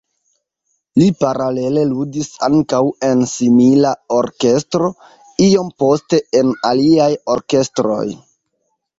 Li paralele ludis ankaŭ en simila orkestro, iom poste en aliaj orkestroj.